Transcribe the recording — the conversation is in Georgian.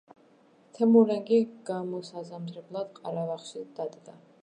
თემურლენგი გამოსაზამთრებლად ყარაბაღში დადგა.